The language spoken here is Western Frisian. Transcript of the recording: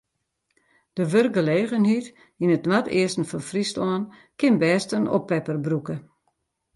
De wurkgelegenheid yn it noardeasten fan Fryslân kin bêst in oppepper brûke.